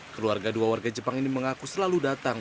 keluarga dua warga jepang ini mengaku selalu datang